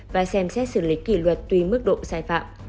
và xem xét xử lý kỷ luật tùy mức độ sai phạm